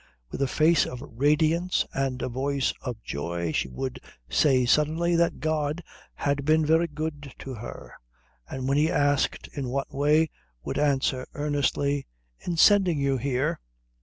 With a face of radiance and a voice of joy she would say suddenly that God had been very good to her; and when he asked in what way, would answer earnestly, "In sending you here."